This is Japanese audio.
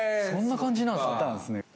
そんな感じなんですね。